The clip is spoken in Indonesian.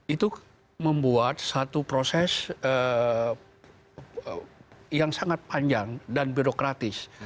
itu membuat satu proses yang sangat panjang dan birokratis